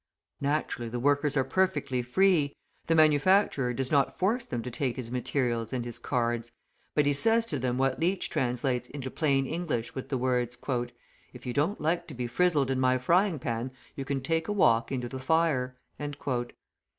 Naturally, the workers are perfectly free; the manufacturer does not force them to take his materials and his cards, but he says to them what Leach translates into plain English with the words: "If you don't like to be frizzled in my frying pan, you can take a walk into the fire."